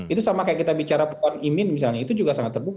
itu sama kayak kita bicara puan imin misalnya itu juga sangat terbuka